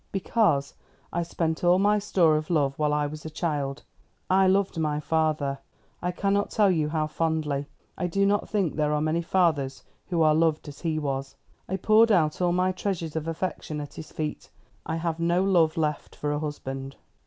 "Because I spent all my store of love while I was a child. I loved my father ah, I cannot tell you how fondly. I do not think there are many fathers who are loved as he was. I poured out all my treasures of affection at his feet. I have no love left for a husband."